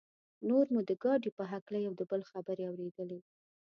نور مو د ګاډي په هکله یو د بل خبرې اورېدلې.